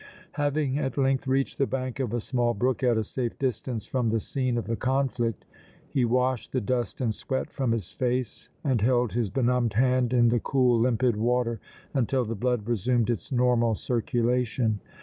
Having at length reached the bank of a small brook at a safe distance from the scene of the conflict, he washed the dust and sweat from his face, and held his benumbed hand in the cool, limpid water until the blood resumed its normal circulation.